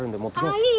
いい！